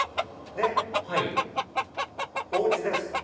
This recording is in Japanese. はいおうちです